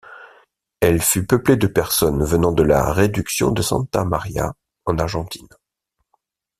Elle fut peuplée de personnes venant de la réduction de Santa Maria, en Argentine.